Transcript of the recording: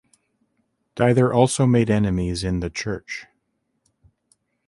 Diether also made enemies in the church.